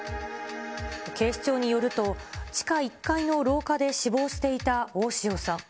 警視庁によると、地下１階の廊下で死亡していた大塩さん。